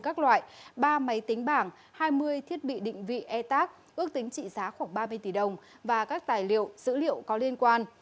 các loại ba máy tính bảng hai mươi thiết bị định vị e tac ước tính trị giá khoảng ba mươi tỷ đồng và các tài liệu dữ liệu có liên quan